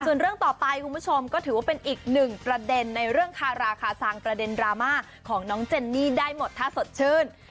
ส่วนเรื่องต่อไปคุณผู้ชมก็ถือว่าเป็นอีกหนึ่งประเด็นในเรื่องคาราคาซังประเด็นดราม่าของน้องเจนนี่ได้หมดถ้าสดชื่น